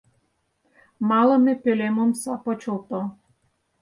Малыме пӧлем омса почылто.